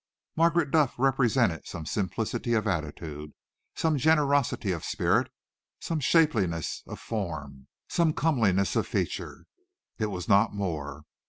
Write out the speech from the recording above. Margaret Duff represented some simplicity of attitude, some generosity of spirit, some shapeliness of form, some comeliness of feature, it was not more.